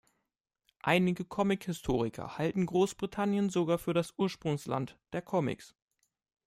Einige Comic-Historiker halten Großbritannien sogar für das Ursprungsland der Comics.